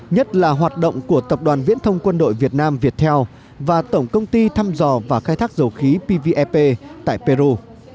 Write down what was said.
nhất là hoạt động của tập đoàn viễn thông quân đội việt nam viettel và tổng công ty thăm dò và khai thác dầu khí pvep tại peru